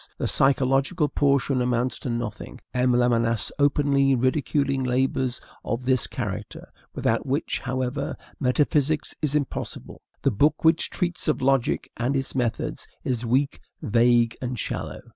The psychological portion amounts to nothing, M. Lamennais openly ridiculing labors of this character, without which, however, metaphysics is impossible. The book, which treats of logic and its methods, is weak, vague, and shallow.